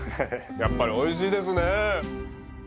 やっぱりおいしいですね。